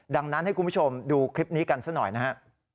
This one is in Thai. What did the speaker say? ดังนั้นให้คุณผู้ชมดูคลิปนี้กันซะหน่อยนะฮะ